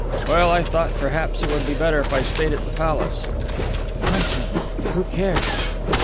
"Well, I thought perhaps it would be better if I stayed at the Palace." "Nonsense! Who cares?"